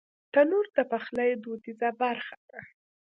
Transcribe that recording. تنور د پخلي دودیزه برخه ده